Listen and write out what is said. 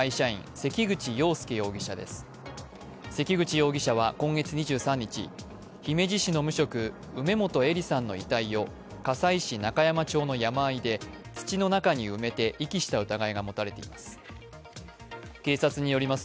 関口容疑者は今月２３日、姫路市の無職、梅本依里さんの遺体を加西市中山町の山あいで土の中に埋めて遺棄した疑いが持たれています。